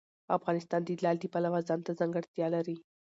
افغانستان د لعل د پلوه ځانته ځانګړتیا لري.